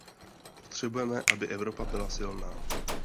Potřebujeme, aby Evropa byla silná!